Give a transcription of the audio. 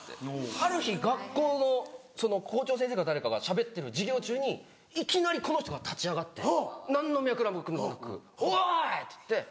ある日学校の校長先生か誰かがしゃべってる授業中にいきなりこの人が立ち上がって何の脈絡もなく「おい！」って言って。